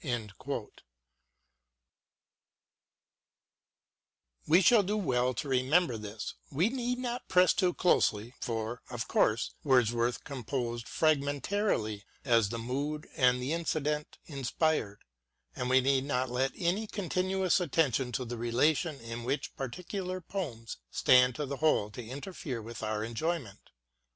We shall do well to remember this ; we need not press it too closely, for, of course, Wordsworth composed fragmentarily as the mood and the incident inspired, and we need not let any continuous attention to the relation in which particular poems stand to the whole to interfere with our enjoyment.